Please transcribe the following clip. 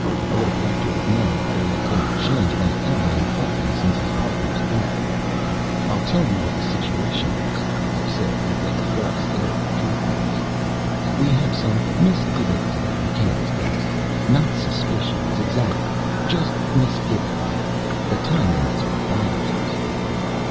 I would have liked to have known if there had been a change of any kind in Karpin since his partner's death. "I'll tell you what the situation is," I said, with a false air of truthfulness. "We have some misgivings about McCann's death. Not suspicions, exactly, just misgivings. The timing is what bothers us."